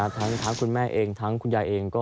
ทั้งคุณแม่เองทั้งคุณยายเองก็